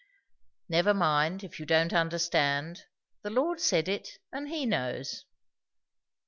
"Never mind, if you don't understand. The Lord said it; and he knows."